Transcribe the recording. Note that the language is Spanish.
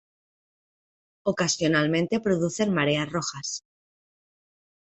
Ocasionalmente producen mareas rojas.